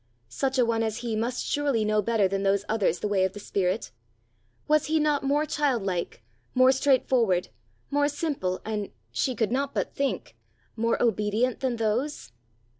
Such a one as he must surely know better than those others the way of the Spirit! Was he not more childlike, more straightforward, more simple, and, she could not but think, more obedient than those?